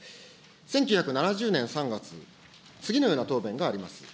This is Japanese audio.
１９７０年３月、次のような答弁があります。